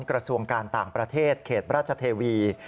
กระทรวงการต่างประเทศเขตราชเทวี